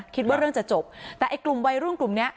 คิดว่าเรื่องจะจบแต่ไอ้กลุ่มวัยรุ่นกลุ่มเนี้ย